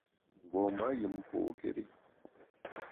Mgbom-a yùm pôkéri.